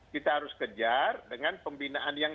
kita harus kejar dengan pembinaan yang